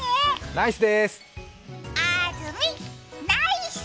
ナイスです！